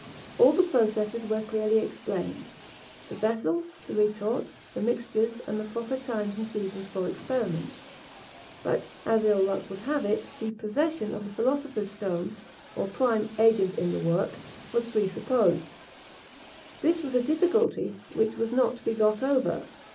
All the processes were clearly explained; the vessels, the retorts, the mixtures, and the proper times and seasons for experiment. But as ill luck would have it, the possession of the philosopher's stone, or prime agent in the work, was presupposed. This was a difficulty which was not to be got over.